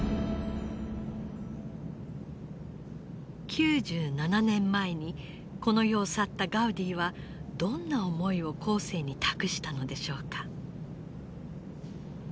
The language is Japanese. ９７年前にこの世を去ったガウディはどんな思いを後世に託したのでしょうか。